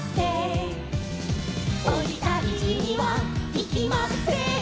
「おにたいじにはいきません」